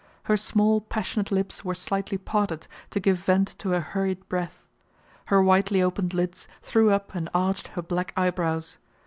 Her small passionate lips were slightly parted to give vent to her hurried breath. Her widely opened lids threw up and arched her black eyebrows.